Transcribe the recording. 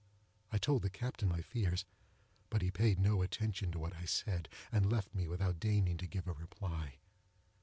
I told the captain my fears; but he paid no attention to what I said, and left me without deigning to give a reply.